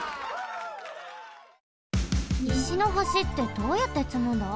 石の橋ってどうやってつむんだ？